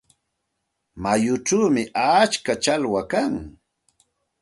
Mayuchawmi atska challwa kan.